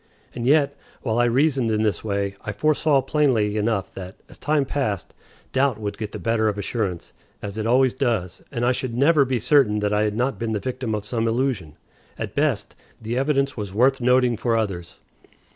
And yet, while I reasoned in this way, I foresaw plainly enough that, as time passed, doubt would get the better of assurance, as it always does, and I should never be certain that I had not been the victim of some illusion. At best, the evidence was worth nothing for others.